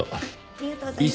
ありがとうございます。